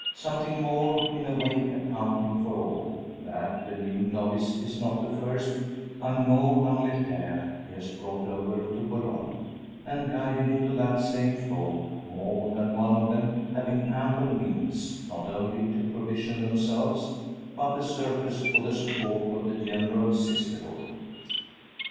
Something more, in a way accounting for all: that the new novice is not the first agneau d'Angleterre he has brought over to Boulogne, and guided into that same fold, more than one of them having ample means, not only to provision themselves, but a surplus for the support of the general sisterhood.